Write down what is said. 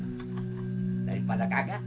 nah ini kosong buah dapet bang ya